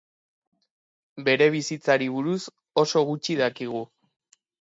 Bere bizitzari buruz oso gutxi dakigu.